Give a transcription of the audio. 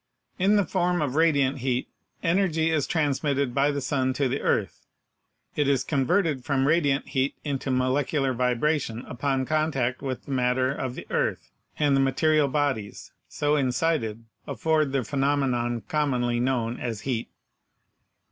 In the form of radiant heat, energy is transmitted by the sun to the earth. It is converted from radiant heat into molecular vibration upon contact with the matter of the earth, and the material bodies, so incited, afford the phenomenon commonly known as heat.